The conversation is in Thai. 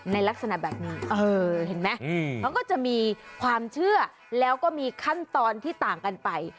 ลักษณะแบบนี้เห็นไหมเขาก็จะมีความเชื่อแล้วก็มีขั้นตอนที่ต่างกันไป